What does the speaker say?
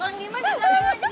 bang diman juga